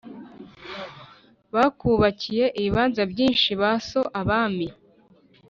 bakubakiye ibibanza byinshi ba so abami